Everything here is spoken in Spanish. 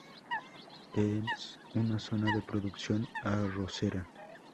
Es una zona de producción arrocera.